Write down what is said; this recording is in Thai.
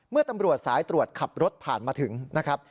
ตำรวจสายตรวจขับรถผ่านมาถึงนะครับ